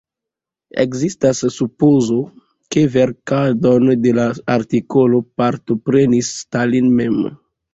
Ekzistas supozo, ke verkadon de la artikolo partoprenis Stalin mem.